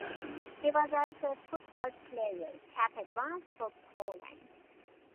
He was also a football player, capped once for Poland.